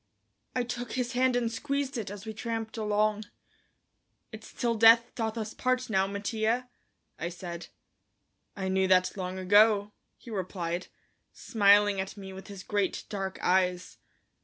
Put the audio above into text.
I took his hand and squeezed it as we tramped along. "It's till death doth us part now, Mattia," I said. "I knew that long ago," he replied, smiling at me with his great, dark eyes.